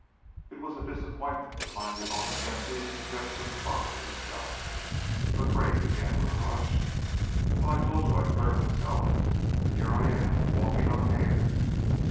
It was a disappointment to find the office empty, except for the father himself, but Gray began with a rush, "Well, I told you I'd clear myself, and here I am, walking on air."